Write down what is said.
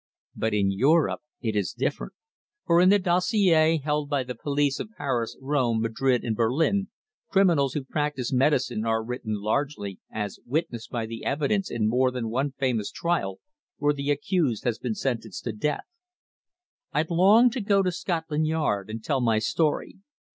But in Europe it is different, for in the dossiers held by the police of Paris, Rome, Madrid and Berlin criminals who practise medicine are written largely, as witnessed by the evidence in more than one famous trial where the accused has been sentenced to death. I longed to go to Scotland Yard and tell my story.